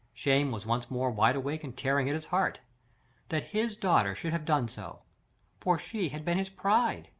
Shame was once more wide awake and tearing at his heart. That HIS daughter should have done so! For she had been his pride.